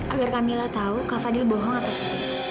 agar kak mila tahu kak fadil bohong atau